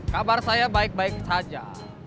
kabar saya baik baik saja